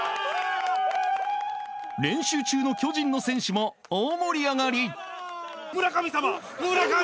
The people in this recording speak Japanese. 練習中の巨人の選手も大盛り上がり！